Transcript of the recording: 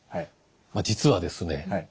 実はですね